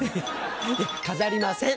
いや飾りません。